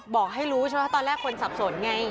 บอกให้รู้ใช่ไหมตอนแรกคนสับสนไง